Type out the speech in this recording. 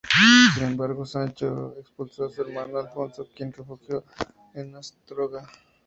Sin embargo, Sancho expulsó a su hermano Alfonso, quien se refugió en Astorga.